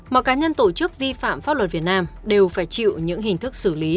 mọi cá nhân tổ chức vi phạm pháp luật việt nam đều phải chịu những hình thức xử lý